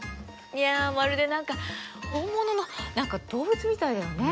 いやまるで何か本物の動物みたいだよね。